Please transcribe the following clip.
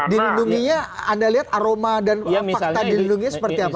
dilindunginya anda lihat aroma dan fakta dilindungi seperti apa